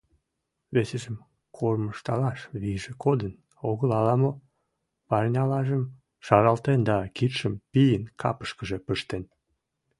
Весыжым кормыжталаш вийже кодын огыл ала-мо, парнялажым шаралтен да кидшым пийын капышкыже пыштен.